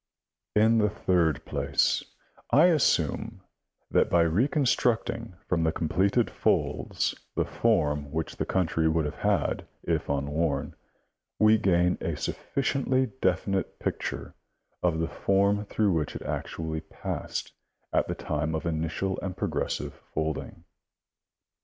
In the third place, I assume that by reconstructing from the completed folds the form which the country would have had if vinworn, we gain a sufficiently definite picture of the form through which it actually passed at the time of initial and progressive folding.